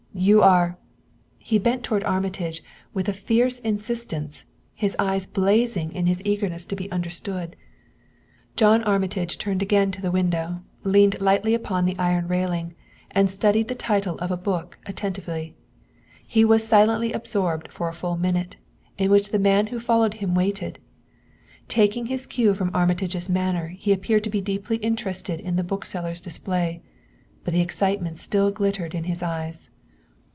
You are " He bent toward Armitage with a fierce insistence, his eyes blazing in his eagerness to be understood. John Armitage turned again to the window, leaned lightly upon the iron railing and studied the title of a book attentively. He was silently absorbed for a full minute, in which the man who had followed him waited. Taking his cue from Armitage's manner he appeared to be deeply interested in the bookseller's display; but the excitement still glittered in his eyes.